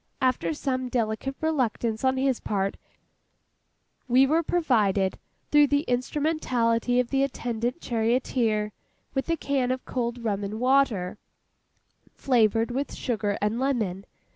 After some delicate reluctance on his part, we were provided, through the instrumentality of the attendant charioteer, with a can of cold rum and water, flavoured with sugar and lemon.